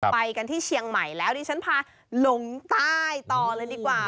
ไปกันที่เชียงใหม่แล้วดิฉันพาหลงใต้ต่อเลยดีกว่า